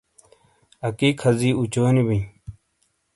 اکی کھازی اوچونی بئیں